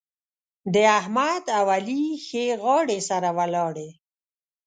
د احمد او علي ښې غاړې سره ولاړې.